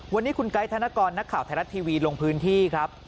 วันนี้คุณไกด์ธนกรนักข่าวไทยรัฐทีวีลงพื้นที่ครับ